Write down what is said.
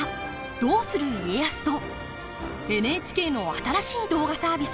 「どうする家康」とＮＨＫの新しい動画サービス